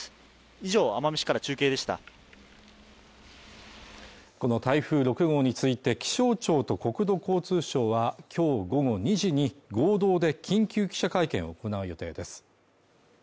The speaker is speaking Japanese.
以上奄美市から中継でしたこの台風６号について気象庁と国土交通省はきょう午後２時に合同で緊急記者会見を行う予定です